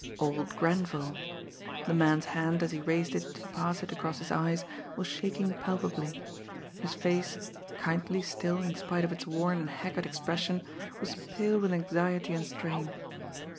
Old Grenville! The man's hand, as he raised it to pass it across his eyes, was shaking palpably; his face, kindly still in spite of its worn and haggard expression, was pale with anxiety and strain.